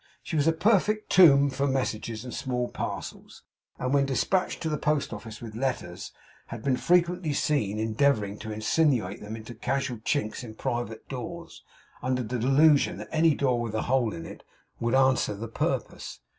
She was a perfect Tomb for messages and small parcels; and when dispatched to the Post Office with letters, had been frequently seen endeavouring to insinuate them into casual chinks in private doors, under the delusion that any door with a hole in it would answer the purpose.